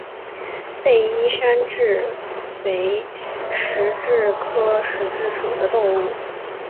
被衣山蛭为石蛭科石蛭属的动物。